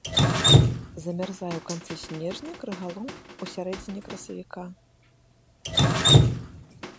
Замярзае ў канцы снежня, крыгалом у сярэдзіне красавіка.